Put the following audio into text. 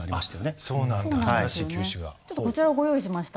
ちょっとこちらをご用意しました。